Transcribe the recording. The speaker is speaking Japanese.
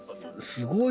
すごい。